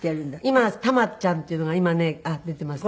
今タマちゃんっていうのが今ねあっ出ていますね。